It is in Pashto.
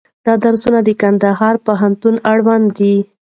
دا درسونه د کندهار پوهنتون اړوند دي.